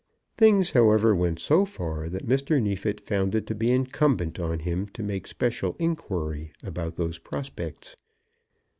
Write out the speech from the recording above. Things, however, went so far that Mr. Neefit found it to be incumbent on him to make special inquiry about those prospects.